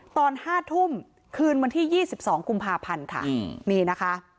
ตอน๕ทุ่มคืนวันที่๒๒กุมภาพันธุ์ค่ะ